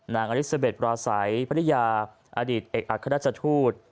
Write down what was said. นางอลิซาเบ็ดพระราชัยพระริยาอดีตเอกอักราชทูต